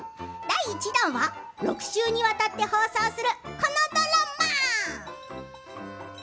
第１弾は６週にわたって放送するこのドラマ！